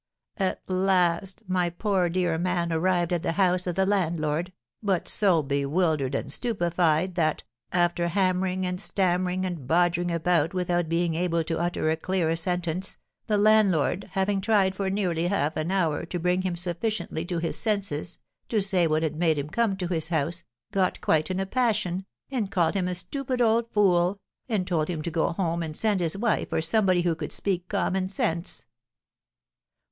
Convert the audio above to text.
At last my poor dear man arrived at the house of the landlord, but so bewildered and stupefied that, after hammering and stammering and bodgering about without being able to utter a clear sentence, the landlord, having tried for nearly half an hour to bring him sufficiently to his senses to say what had made him come to his house, got quite in a passion, and called him a stupid old fool, and told him to go home and send his wife or somebody who could speak common sense.